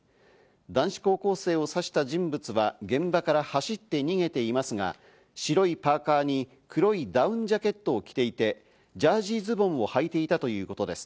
男子高校生を刺した人物は現場から走って逃げていますが、白いパーカーに黒いダウンジャケットを着ていて、ジャージーズボンをはいていたということです。